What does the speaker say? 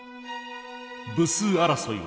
部数争いは過熱。